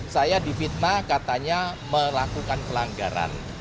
saya difitnah katanya melakukan pelanggaran